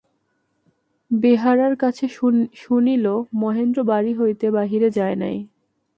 বেহারার কাছে শুনিল, মহেন্দ্র বাড়ি হইতে বাহিরে যায় নাই।